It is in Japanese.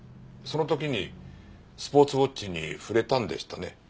その時にスポーツウォッチに触れたんでしたね。